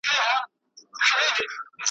لکه توپان په مخه کړې مرغۍ .